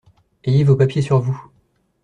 Ayez vos papiers sur vous.